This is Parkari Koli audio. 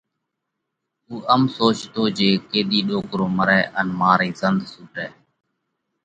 اُو ام سوچتو جي ڪيۮِي ڏوڪرو مرئہ ان مارئِي زنۮ سُوٽئہ۔